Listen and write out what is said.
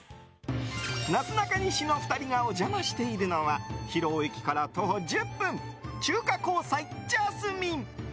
なすなかにしの２人がお邪魔しているのは広尾駅から徒歩１０分中華香彩ＪＡＳＭＩＮＥ。